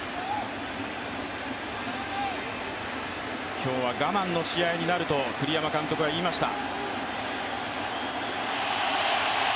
今日は我慢の試合になると栗山監督は言いました。